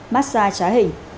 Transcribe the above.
massage trái hình